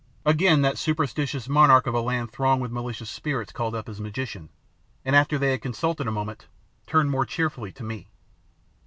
Again that superstitious monarch of a land thronged with malicious spirits called up his magician, and, after they had consulted a moment, turned more cheerfully to me.